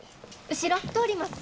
後ろ通ります。